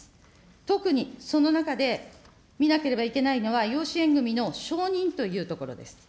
特にその中で見なければいけないのは、養子縁組みの証人というところです。